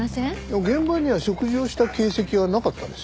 でも現場には食事をした形跡はなかったんですよ。